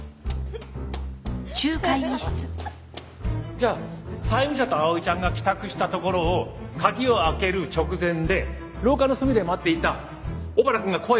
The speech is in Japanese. じゃあ債務者と碧唯ちゃんが帰宅したところを鍵を開ける直前で廊下の隅で待っていた小原くんが声をかける。